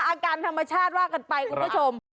อาการธรรมชาติว่ากันไปคุณผู้ชม